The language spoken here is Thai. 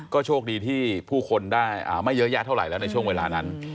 ก็โชคดีที่ผู้คนได้ไม่เยอะแยะเท่าไหร่แล้วในช่วงเวลานั้น